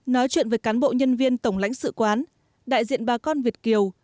nói chuyện với cán bộ nhân viên tổng lãnh sự quán đại diện bà con việt kiều